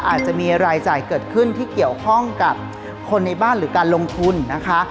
อาจจะมีรายจ่ายเกิดขึ้นที่เกี่ยวข้องกับคนในบ้านหรือการลงทุนนะคะ